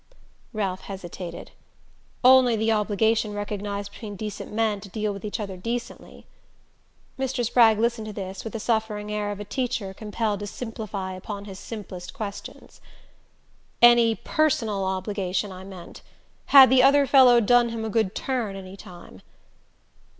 Ralph hesitated. "Only the obligation recognized between decent men to deal with each other decently." Mr. Spragg listened to this with the suffering air of a teacher compelled to simplify upon his simplest questions. "Any personal obligation, I meant. Had the other fellow done him a good turn any time?"